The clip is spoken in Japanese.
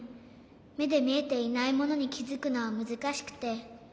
めでみえていないものにきづくのはむずかしくて。